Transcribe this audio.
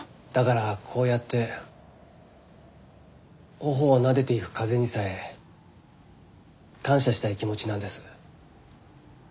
だからこうやって頬をなでていく風にさえ感謝したい気持ちなんです。